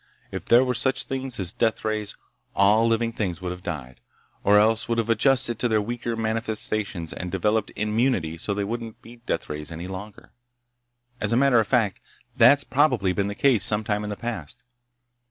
If there were such things as deathrays, all living things would have died, or else would have adjusted to their weaker manifestations and developed immunity so they wouldn't be deathrays any longer. As a matter of fact, that's probably been the case, some time in the past.